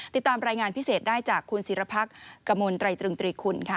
ติดตามรายงานพิเศษได้จากคุณศิรพักษ์กระมวลไตรตรึงตรีคุณค่ะ